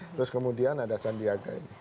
terus kemudian ada sandiaga